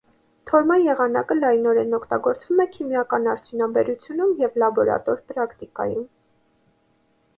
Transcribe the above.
Թորման եղանակը լայնորեն օգտագործվում է քիմիական արդյունաբերությունում և լաբորատոր պրակտիկայում։